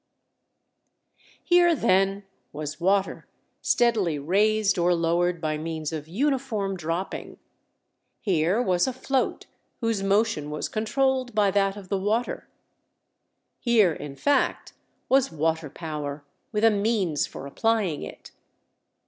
Here, then, was water steadily raised or lowered by means of uniform dropping; here was a float whose motion was controlled by that of the water; here, in fact, was water power with a means for applying it.